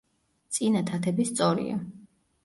წინა თათები სწორია.